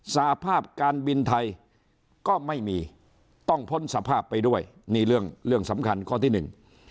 สภาพการบินไทยก็ไม่มีต้องพ้นสภาพไปด้วยนี่เรื่องเรื่องสำคัญข้อที่หนึ่ง